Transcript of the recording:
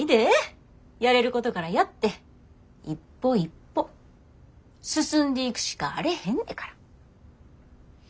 やれることからやって一歩一歩進んでいくしかあれへんねから。